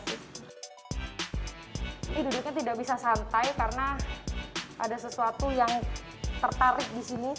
ini duduknya tidak bisa santai karena ada sesuatu yang tertarik di sini